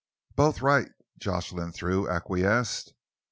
"Both right," Jocelyn Thew acquiesced.